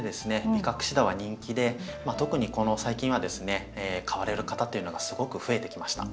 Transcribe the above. ビカクシダは人気で特にこの最近はですね買われる方っていうのがすごく増えてきました。